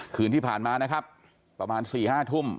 คืนที่ผ่านมานะครับประมาณ๔๕ทุ่ม